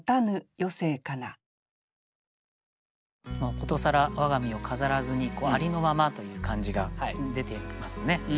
殊更我が身を飾らずにありのままという感じが出ていますね。